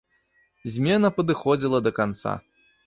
Змена падыходзіла да канца.